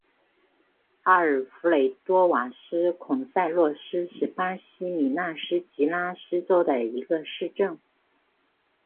阿尔弗雷多瓦斯孔塞洛斯是巴西米纳斯吉拉斯州的一个市镇。